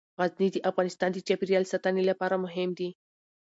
غزني د افغانستان د چاپیریال ساتنې لپاره مهم دي.